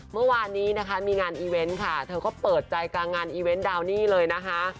เมื่อวานนี้นะคะมีงานอีเวนต์ค่ะเธอก็เปิดใจกลางงานอีเวนต์ดาวนี่เลยนะคะ